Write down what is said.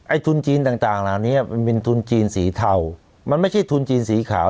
ทุนจีนต่างต่างเหล่านี้มันเป็นทุนจีนสีเทามันไม่ใช่ทุนจีนสีขาว